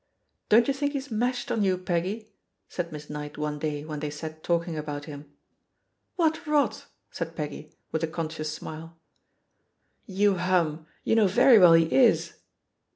*TDon't you think he's mashed on you, Peggy?" 70 THE POSITION OF PEGOY HARPER said Miss Knight one day when they sat talking about him. "What rotl" said Peggy, with a conscious smile. "You hum! You know very well he is."